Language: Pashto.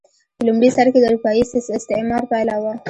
په لومړي سر کې د اروپايي استعمار پایله وه.